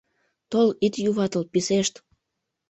Тол, ит юватыл, писешт!